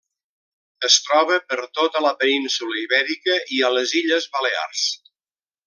Es troba per tota la península Ibèrica i a les illes Balears.